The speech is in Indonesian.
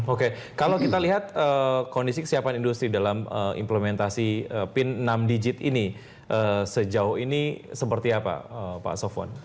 oke kalau kita lihat kondisi kesiapan industri dalam implementasi pin enam digit ini sejauh ini seperti apa pak sofwan